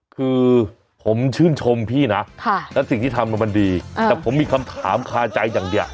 คือผมชื่นชมพี่นะและสิ่งที่ทำมันดีแต่ผมมีคำถามคาใจอย่างเดียว